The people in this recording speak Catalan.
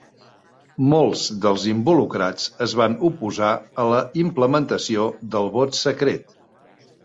Molts dels involucrats es van oposar a la implementació del vot secret.